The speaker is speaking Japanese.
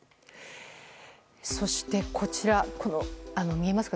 そして、こちら見えますか？